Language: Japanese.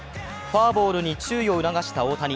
ファウルボールに注意を促した大谷。